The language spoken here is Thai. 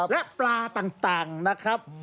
และปลาต่างนะครับ